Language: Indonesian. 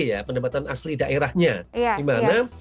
ya pendapatan asli daerahnya dimana